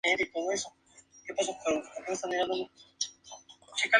Tierra adentro, algunas zonas fueron cultivadas.